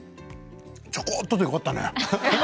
ちょこっとでよかったね。